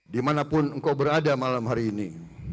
dimanapun engkau berada malam hari ini